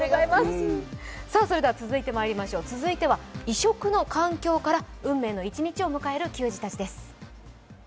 続いては異色の環境から運命の１日を迎える選手たちです。